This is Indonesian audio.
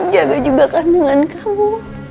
jaga jubah kandungan kamu